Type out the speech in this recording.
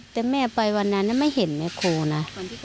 แต่แม่ไปวันนั้นไม่เห็นแม่ครูนะ